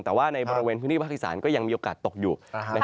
แต่ว่าในบริเวณพื้นที่ภาคอีสานก็ยังมีโอกาสตกอยู่